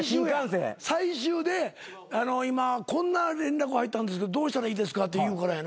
最終で今こんな連絡入ったんですけどどうしたらいいですかって言うからやな。